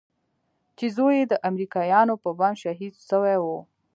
چې زوى يې د امريکايانو په بم شهيد سوى و.